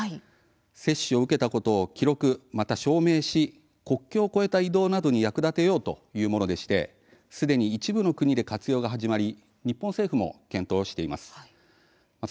接種を受けたことを記録また証明し国境を越えた移動などに役立てようというものでしてすでに一部の国で活用が始まり日本政府も検討しています。